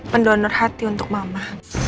pendonor hati untuk mama